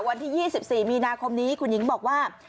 วันที่๒๔มีนาคมนี้คุณหญิงบอกว่า